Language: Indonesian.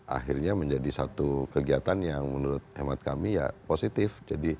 akhirnya menjadi satu kegiatan yang menurut hemat kami ya positif